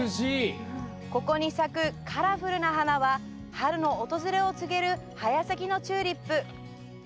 ここに咲くカラフルな花は春の訪れを告げる早咲きのチューリップ。